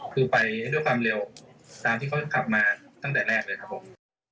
คือไปด้วยความเร็วตามที่เขาขับมาตั้งแต่แรกเลยครับผม